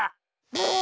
ブー！